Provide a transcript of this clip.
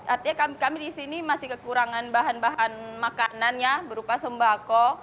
artinya kami di sini masih kekurangan bahan bahan makanannya berupa sembako